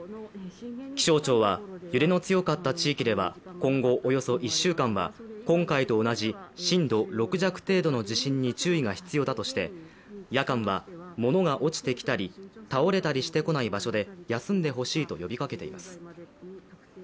気象庁は、揺れの強かった地域では今後およそ１週間は今回と同じ震度６弱程度の地震に注意が必要だとして夜間は物が落ちてきたり、倒れたりしてこない場所で休んでほしいと呼びかけています。